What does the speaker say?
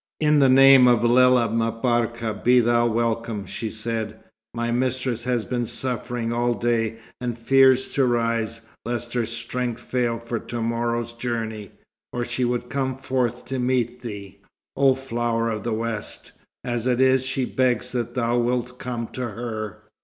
"In the name of Lella M'Barka be thou welcome," she said. "My mistress has been suffering all day, and fears to rise, lest her strength fail for to morrow's journey, or she would come forth to meet thee, O Flower of the West! As it is, she begs that thou wilt come to her.